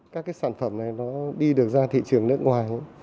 các cái sản phẩm này nó đi được ra thị trường nước ngoài